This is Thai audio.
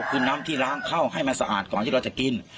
คือน้ำที่ล้างเข้าให้มันสะอาดก่อนที่เราจะกิน